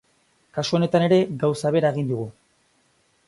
Kasu honetan ere, gauza bera egin dugu.